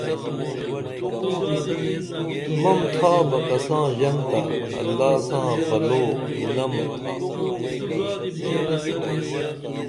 مم تھا بہ کساں ژنتہ اللہ ساں بلو انعم تھا